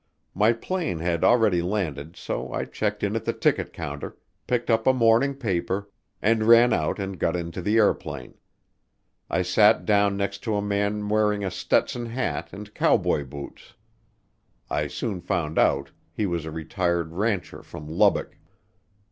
My plane had already landed so I checked in at the ticket counter, picked up a morning paper, and ran out and got into the airplane. I sat down next to a man wearing a Stetson hat and cowboy boots. I soon found out he was a retired rancher from Lubbock.